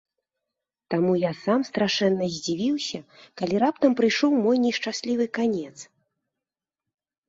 Таму я сам страшэнна здзівіўся, калі раптам прыйшоў мой нешчаслівы канец.